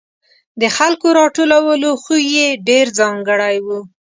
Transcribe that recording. د خلکو راټولولو خوی یې ډېر ځانګړی و.